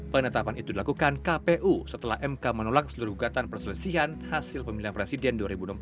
penetapan itu dilakukan kpu setelah mk menolak seluruh gugatan perselisihan hasil pemilihan presiden dua ribu empat belas